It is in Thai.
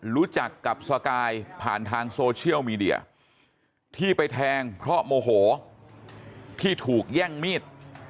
รู้จักกับสกายผ่านทางโซเชียลมีเดียที่ไปแทงเพราะโมโหที่ถูกแย่งมีด